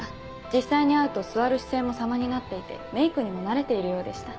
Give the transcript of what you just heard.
実際に会うと座る姿勢も様になっていてメイクにも慣れているようでした。